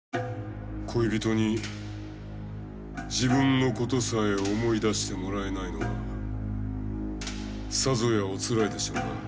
恋人に自分のことさえ思い出してもらえないのはさぞやおつらいでしょうな。